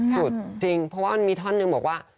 สุดจริงเพราะว่ามีท่อนึงบอกว่า